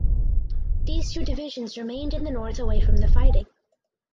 These two divisions remained in the north away from the fighting.